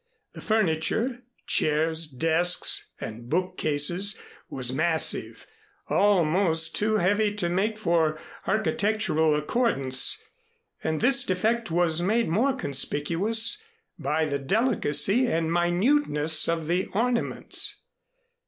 The furniture chairs, desks, and bookcases was massive, almost too heavy to make for architectural accordance, and this defect was made more conspicuous by the delicacy and minuteness of the ornaments.